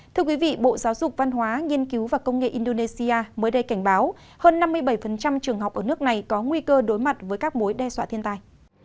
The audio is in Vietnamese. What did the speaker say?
thưa quý vị bộ giáo dục văn hóa nghiên cứu và công nghệ indonesia mới đây cảnh báo hơn năm mươi bảy trường học ở nước này có nguy cơ đối mặt với các mối đe dọa thiên tai